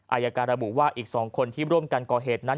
อายการระบุว่าอีก๒คนที่ร่วมกันก่อเหตุนั้น